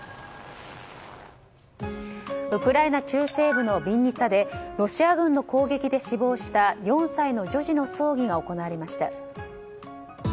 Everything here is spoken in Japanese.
ウクライナ中西部のビンニツァでロシア軍の攻撃で死亡した４歳の女児の葬儀が行われました。